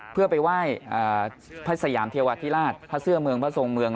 เพื่อไปไหว้พระสยามเทวาธิราชพระเสื้อเมืองพระทรงเมือง